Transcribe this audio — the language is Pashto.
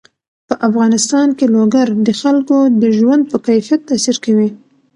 په افغانستان کې لوگر د خلکو د ژوند په کیفیت تاثیر کوي.